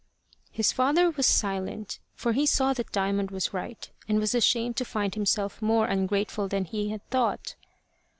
His father was silent, for he saw that Diamond was right, and was ashamed to find himself more ungrateful than he had thought.